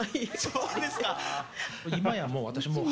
そうですか。